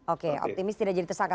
oke optimis tidak jadi tersangka